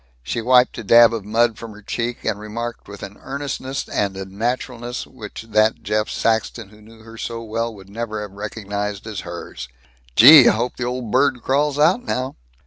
She wiped a dab of mud from her cheek, and remarked with an earnestness and a naturalness which that Jeff Saxton who knew her so well would never have recognized as hers: "Gee, I hope the old bird crawls out now."